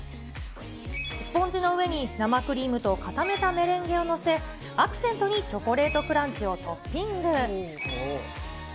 スポンジの上に生クリームと固めたメレンゲを載せ、アクセントにチョコレートクランチをトッピング。